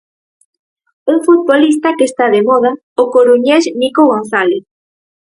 Un futbolista que está de moda, o coruñés Nico González.